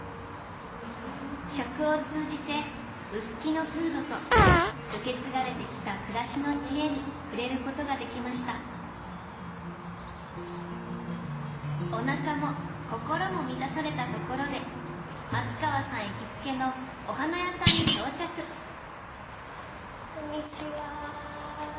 食を通じて臼杵の風土と受け継がれてきた暮らしの知恵に触れることができましたおなかも心も満たされたところで松川さん行きつけのお花屋さんに到着こんにちは。